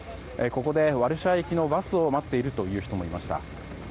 ここで、ワルシャワ行きのバスを待っているという人もいました。